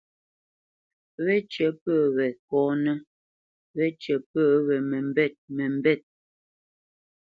Wécyə̌ pə́ we kɔ́nə́, wécyə̌ pə́ we məmbêt məmbêt.